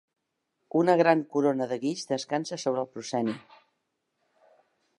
Una gran corona de guix descansa sobre el prosceni.